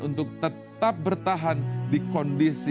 untuk tetap bertahan di kondisi yang terkenal